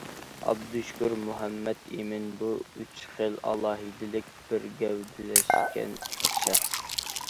ئابدۇشۈكۈر مۇھەممەتئىمىن بۇ ئۈچ خىل ئالاھىدىلىك بىر گەۋدىلەشكەن شەخس.